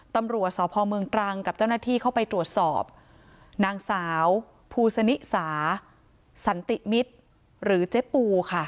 ตำรวจสพเมืองตรังกับเจ้าหน้าที่เข้าไปตรวจสอบนางสาวภูสนิสาสันติมิตรหรือเจ๊ปูค่ะ